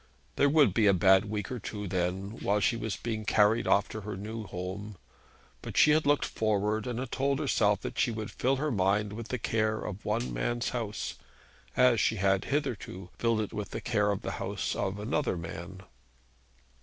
There would be a bad week or two then while she was being carried off to her new home; but she had looked forward and had told herself that she would fill her mind with the care of one man's house, as she had hitherto filled it with the care of the house of another man.